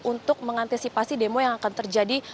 untuk mengantisipasi demo yang akan terjadi